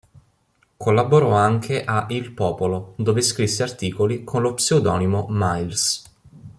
Collaborò anche a "Il Popolo" dove scrisse articoli con lo pseudonimo "Miles".